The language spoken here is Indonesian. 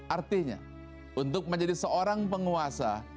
artinya untuk menjadi seorang penguasa